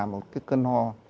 một cái cơn ho